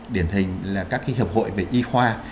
điển hình là các hiệp hội về y khoa